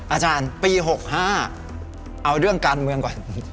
อาจารย์ปี๖๕เอาเรื่องการเมืองก่อน